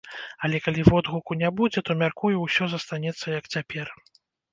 Але калі водгуку не будзе, то, мяркую, усё застанецца як цяпер.